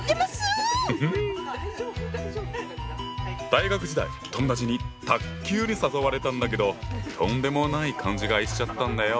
大学時代友達に卓球に誘われたんだけどとんでもない勘違いしちゃったんだよ！